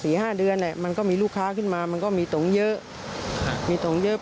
พูดเรื่องจริงเราไม่ได้พูดเรื่องหรอก